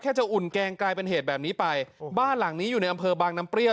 จะอุ่นแกงกลายเป็นเหตุแบบนี้ไปบ้านหลังนี้อยู่ในอำเภอบางน้ำเปรี้ย